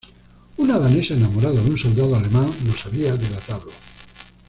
Una danesa enamorada de un soldado alemán los había delatado.